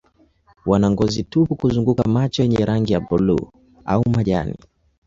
Wana ngozi tupu kuzunguka macho yenye rangi ya buluu au majani.